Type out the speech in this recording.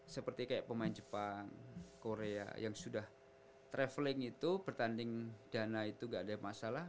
seperti kayak pemain jepang korea yang sudah traveling itu bertanding dana itu gak ada masalah